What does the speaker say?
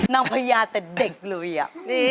น้องพระยาแต่เด็กเลยอ่ะ